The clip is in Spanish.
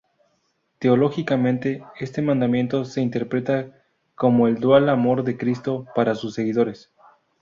Teológicamente, este mandamiento se interpreta como el dual Amor de Cristo para sus seguidores.